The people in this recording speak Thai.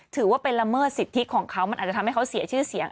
ถือว่าเป็นละเมิดสิทธิของเขามันอาจจะทำให้เขาเสียชื่อเสียง